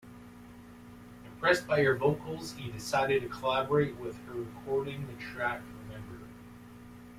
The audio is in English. Impressed by her vocals, he decided to collaborate with her recording the track Remember.